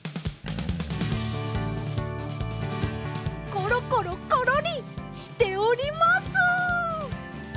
コロコロコロリしております！